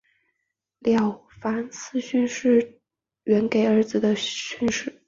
了凡四训正是袁要给儿子的训示。